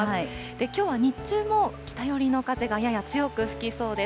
きょうは日中も北寄りの風がやや強く吹きそうです。